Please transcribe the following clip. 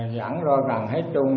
giảng lo cằn hết chung